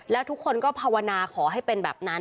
แล้วทุกคนก็ภาวนาขอให้เป็นแบบนั้น